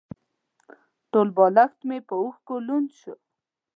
ټول بالښت مې په اوښکو لوند شو.